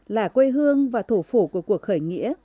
là quê hương và thủ phủ của cuộc khởi nghĩa